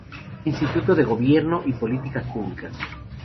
Instituto de Gobierno y Políticas Públicas.